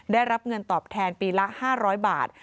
ได้รับเงินตอบแทนปีละ๕๐๐บาท